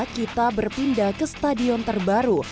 kita berpindah ke stadion terbaru